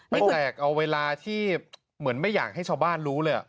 แจกเอาเวลาที่เหมือนไม่อยากให้ชาวบ้านรู้เลย